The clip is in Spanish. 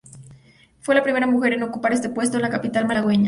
Fue la primera mujer en ocupar este puesto en la capital malagueña.